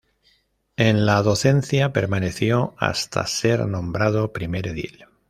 En la docencia permaneció hasta ser nombrado primer edil.